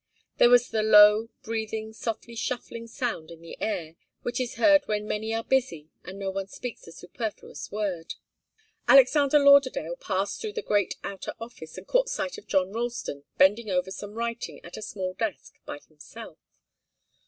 There was the low, breathing, softly shuffling sound in the air, which is heard where many are busy and no one speaks a superfluous word. Alexander Lauderdale passed through the great outer office and caught sight of John Ralston, bending over some writing at a small desk by himself.